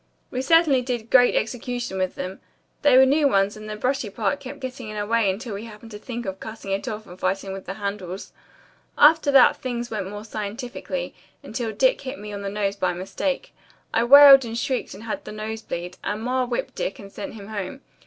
We certainly did great execution with them. They were new ones and the brushy part kept getting in our way until we happened to think of cutting it off and fighting with the handles. After that things went more scientifically, until Dick hit me on the nose by mistake. I wailed and shrieked and had the nose bleed, and Ma whipped Dick and sent him home.